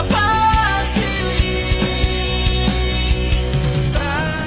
dan mencari kemampuan